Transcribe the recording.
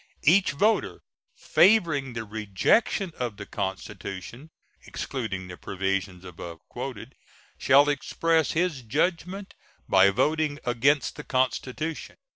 Each voter favoring the rejection of the constitution (excluding the provisions above quoted) shall express his judgment by voting against the constitution.